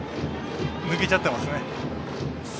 抜けちゃってますね。